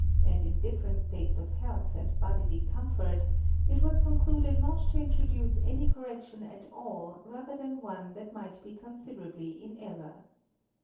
and in different states of health and bodily com fort, 1t was concluded not to introduce any correction at all rather than one that might be considerably in error.